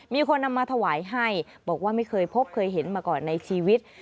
มีคนนำมาถวายให้บอกว่าไม่เคยพบเคยเห็นมาก่อนในชีวิต